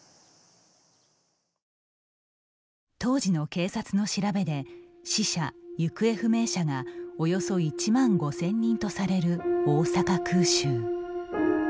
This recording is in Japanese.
当時の警察の調べで死者・行方不明者がおよそ１万５０００人とされる大阪空襲。